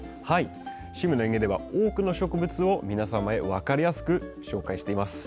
「趣味の園芸」では多くの植物を分かりやすく皆様にご紹介しています。